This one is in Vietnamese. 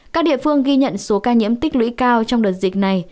các địa phương ghi nhận số ca nhiễm tích lũy cao trong đợt dịch này